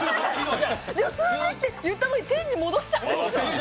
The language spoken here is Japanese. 数字って言ったのにテンに戻したんですよ。